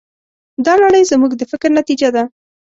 دا نړۍ زموږ د فکر نتیجه ده.